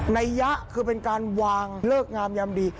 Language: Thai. ัยยะคือเป็นการวางเลิกงามยามดี